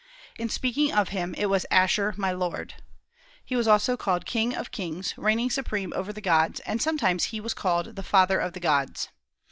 In speaking of him it was "Asshur, my Lord." He was also called "King of kings," reigning supreme over the gods; and sometimes he was called the "Father of the gods."